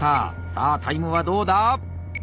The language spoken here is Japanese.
さあタイムはどうだ？